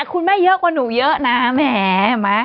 คุณแม่แย่กว่าหนูเยอะนะแหม